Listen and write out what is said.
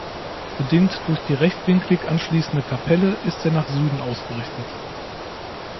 Bedingt durch die rechtwinklig anschließende Kapelle ist er nach Süden ausgerichtet.